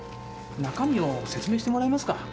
中身を説明してもらえますか？